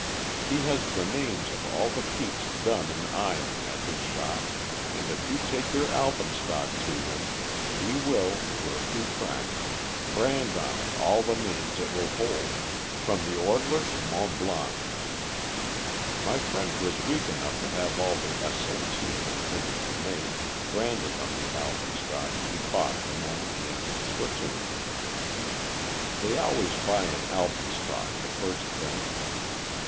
He has the names of all the peaks done in iron at his shop, and if you take your alpenstock to him, he will, for a few francs, brand on it all the names it will hold, from the Ortler to Mont Blanc. My friend was weak enough to have all the ascents he had intended to make, branded on the alpenstock he bought the moment he entered Switzerland. They always buy an alpenstock the first thing.